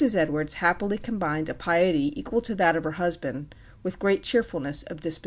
Edwards happily combined a piety equal to that of her husband with great cheerfulness of disposition.